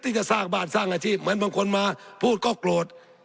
ที่จะสร้างบ้านสร้างอาชีพเหมือนบางคนมาพูดก็โกรธ